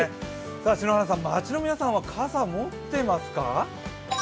篠原さん、街の皆さんは傘持ってますか？